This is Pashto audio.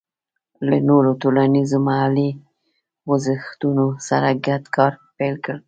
له نورو ټولنیزو محلي خوځښتونو سره ګډ کار پیل کړ.